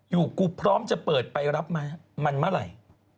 อยู่กูพร้อมจะเปิดไปรับมันเมื่อไหร่